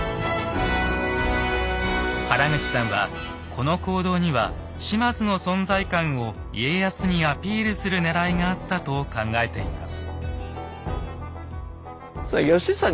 原口さんはこの行動には島津の存在感を家康にアピールするねらいがあったと考えています。